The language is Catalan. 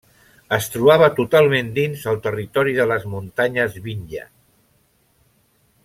Es trobava totalment dins el territori de les muntanyes Vindhya.